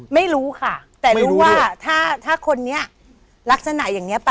หลายค่ะหลาย